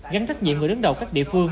gắn trách nhiệm người đứng đầu các địa phương